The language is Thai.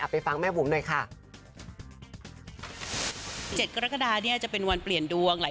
ไปฟังแม่บุ๋มด้วยค่ะ